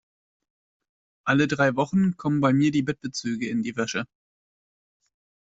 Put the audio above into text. Alle drei Wochen kommen bei mir die Bettbezüge in die Wäsche.